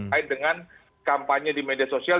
kait dengan kampanye di media sosial